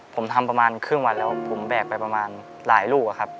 ผมทำประมาณครึ่งวันแล้วผมแบกไปประมาณหลายลูกอะครับ